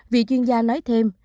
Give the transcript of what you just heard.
vị chuyên gia nói thêm